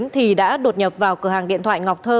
thì đã đột nhập vào cửa hàng điện thoại ngọc thơ